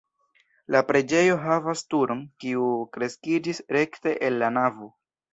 La preĝejo havas turon, kiu kreskiĝis rekte el la navo.